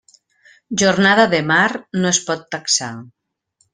Jornada de mar no es pot taxar.